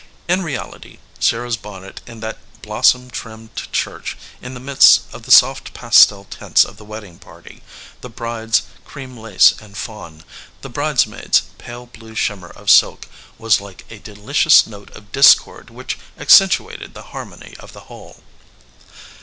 In reality, Sarah s bonnet in that blos som trimmed church in the midst of the soft pastel ^ tints of the wedding party, the bride s cream lacey and fawn, the bridesmaid s pale blue shimmer of\ silk, was like a delicious note of discord which ac y centuated the harmony of the whole.